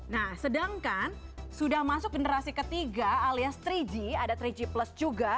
nah sedangkan sudah masuk generasi ketiga alias tiga g ada tiga g plus juga